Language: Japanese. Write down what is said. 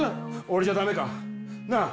俺じゃダメか？なぁ？